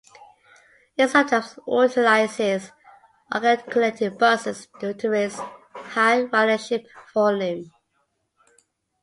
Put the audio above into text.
It sometimes utilizes articulated buses due to its high ridership volume.